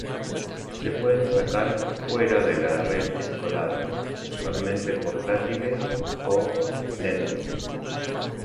Se pueden sacar fuera de la red escolar, usualmente portátiles o netbooks